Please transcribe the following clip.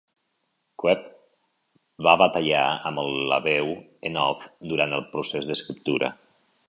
Koeep va batallar amb la veu en off durant el procés d'escriptura.